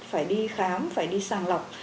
phải đi khám phải đi sàng lọc